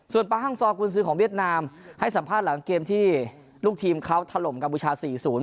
ส่วนปาฮังซอกุญซื้อของเวียดนามให้สัมภาษณ์หลังเกมที่ลูกทีมเขาถล่มกัมพูชา๔๐